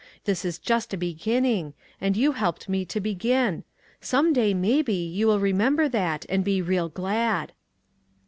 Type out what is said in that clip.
This is just a begin ning, and you helped me to begin. Some day, maybe, you will remember that, and be real glad."